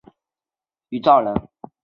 会稽郡余姚人。